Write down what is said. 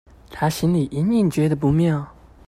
她心裡隱隱覺得不妙